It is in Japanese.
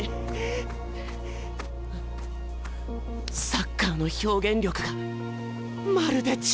サッカーの表現力がまるで違う。